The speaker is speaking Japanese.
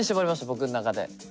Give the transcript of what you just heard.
僕の中で。